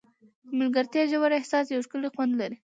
د ملګرتیا ژور احساس یو ښکلی خوند لري.